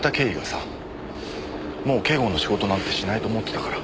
もう警護の仕事なんてしないと思ってたから。